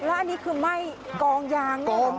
อันนี้คือไหม้กองยาง